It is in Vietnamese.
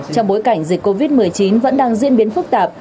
trong bối cảnh dịch covid một mươi chín vẫn đang diễn biến phức tạp